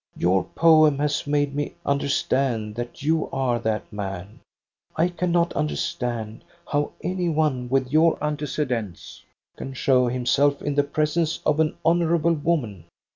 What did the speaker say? Your poem has made me understand that you are that man. I cannot understand how any one with your antece dents can show himself in the presence of an honor able woman.